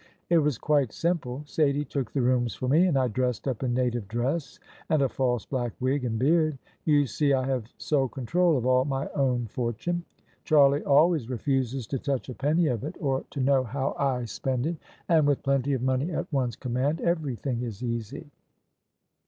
" It was quite simple. Saidie took the rooms for me, and I dressed up in native dress and a false black wig and beard. You see I have sole control of all my own fortune : Charlie always refuses to touch a penny of it, or to know how I THE SUBJECTION spend it: and with plenty of money at one's command, everjrthing is easy."